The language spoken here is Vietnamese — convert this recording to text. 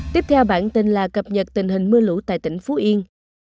tiếp theo bản tin là cập nhật tình hình mưa lũ tại tỉnh phú yên